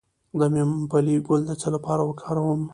د ممپلی ګل د څه لپاره وکاروم؟